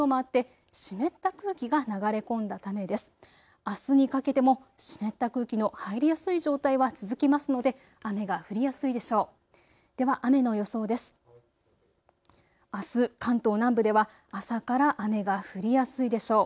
あすにかけても湿った空気の入りやすい状態は続きますので雨が降りやすいでしょう。